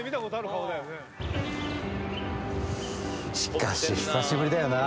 しかし、久しぶりだよな。